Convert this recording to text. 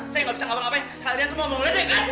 saya gak bisa ngelawan apa apa kalian semua mau ngeledek kan